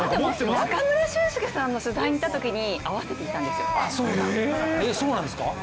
中村俊輔さんの取材に行ったときに合わせて行ったんです。